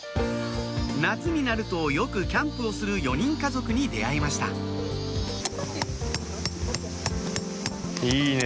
夏になるとよくキャンプをする４人家族に出会いましたいいね